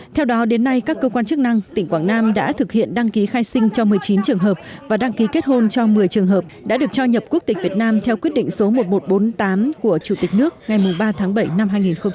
theo đó đến nay các cơ quan chức năng tỉnh quảng nam đã thực hiện đăng ký khai sinh cho một mươi chín trường hợp và đăng ký kết hôn cho một mươi trường hợp đã được cho nhập quốc tịch việt nam theo quyết định số một nghìn một trăm bốn mươi tám của chủ tịch nước ngày ba tháng bảy năm hai nghìn một mươi chín